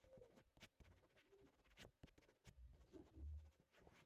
د هېواد توليداتو ته ښه مارکيټ موندلو په موخه